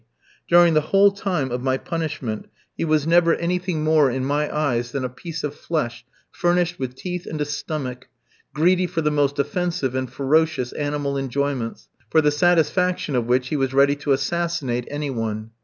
During the whole time of my punishment, he was never anything more in my eyes than a piece of flesh furnished with teeth and a stomach, greedy for the most offensive and ferocious animal enjoyments, for the satisfaction of which he was ready to assassinate anyone.